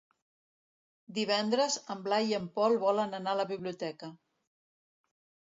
Divendres en Blai i en Pol volen anar a la biblioteca.